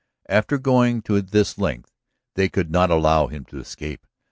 After going to this length, they could not allow him to escape.